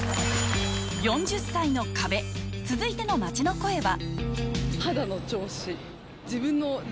「４０歳の壁」続いての街の声は？